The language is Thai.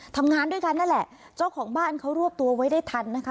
ทำงานด้วยกันนั่นแหละเจ้าของบ้านเขารวบตัวไว้ได้ทันนะคะ